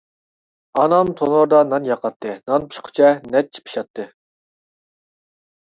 ئانام تونۇردا نان ياقاتتى نان پىشقۇچە نەچچە پىشاتتى.